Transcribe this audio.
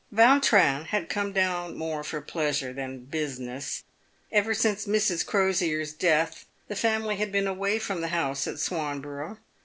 Vautrin had come down more for pleasure than business. Ever since Mrs. Crosier' s death, the family had been away from the house at Swanborough.